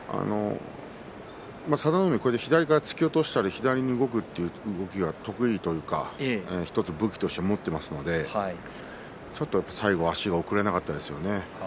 佐田の海は左から突き落としたり左から動くという動きが得意というか１つ武器として持っていますから最後は足が送れなかったですね。